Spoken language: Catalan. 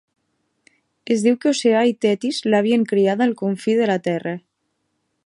Es diu que Oceà i Tetis l'havien criada al confí de la terra.